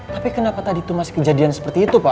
tapi kenapa tadi itu masih kejadian seperti itu pak